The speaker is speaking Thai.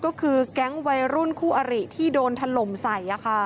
ก็คือแก๊งวัยรุ่นคู่อริที่โดนถล่มใส่